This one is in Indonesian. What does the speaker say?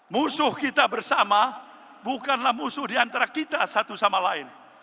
musuh kita bersama bukanlah musuh diantara kita satu sama lain